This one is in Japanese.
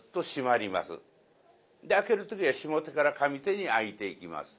で開ける時は下手から上手に開いていきます。